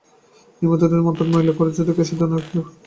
নিমিত্তদোষ অর্থাৎ ময়লা কদর্য কীট-কেশাদি-দুষ্ট অন্ন খেলেও মন অপবিত্র হবে।